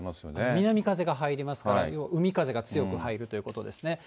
南風が入りますから、海風が強く入るということですね。